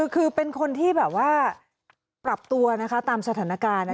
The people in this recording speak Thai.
คือเป็นคนที่แบบว่าปรับตัวนะคะตามสถานการณ์